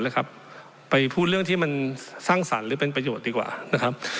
นะครับไปพูดเรื่องที่มันสร้างสรรค์หรือเป็นประโยชน์ดีกว่านะครับ